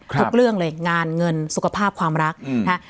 ทุกเรื่องเลยงานเงินสุขภาพความรักนะฮะ